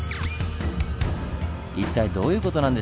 一体どういう事なんでしょう？